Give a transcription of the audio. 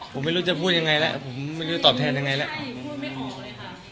ผมไม่รู้จะพูดยังไงแล้วผมไม่รู้จะตอบแทนยังไงแล้ว